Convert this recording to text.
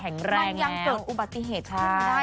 แข็งแรงนะครับมันยังเกิดอุบัติเหตุขึ้นได้